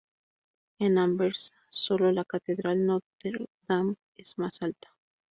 En Amberes, solo la Catedral Notre-Dame es más alta.